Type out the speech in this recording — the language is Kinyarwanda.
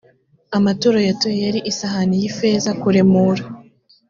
amaturo yatuye yari isahani y ifeza kuremura